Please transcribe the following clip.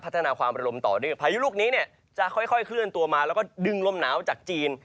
นาความระลมต่อเนื่องพายุลูกนี้เนี่ยจะค่อยเคลื่อนตัวมาแล้วก็ดึงลมหนาวจากจีน